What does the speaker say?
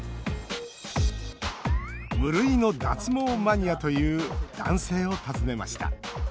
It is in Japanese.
無類の脱毛マニアという男性を訪ねました。